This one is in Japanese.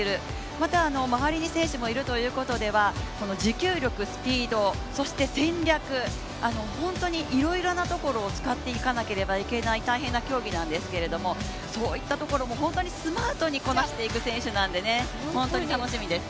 また、周りに選手もいるということでは、持久力、スピードそして戦略、本当にいろいろなところを使っていかなければいけない大変な競技なんですけどそういったところも本当にスマートにこなしていく選手なので本当に楽しみです。